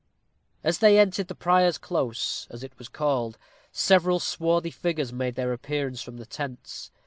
As they entered the Prior's Close, as it was called, several swarthy figures made their appearance from the tents.